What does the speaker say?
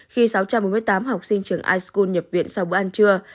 khi sáu trăm bốn mươi tám học sinh trường ischul nhập viện sau bữa ăn trưa